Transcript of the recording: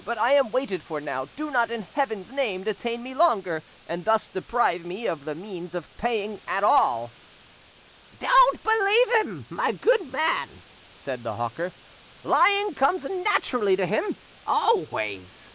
But I am waited for now, do not in Heaven's name detain me longer, and thus deprive me of the means of paying at all." "Don't believe him, my good man," said the hawker; "lying comes natural to him always."